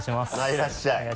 いらっしゃい。